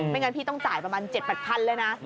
งั้นพี่ต้องจ่ายประมาณ๗๘๐๐เลยนะ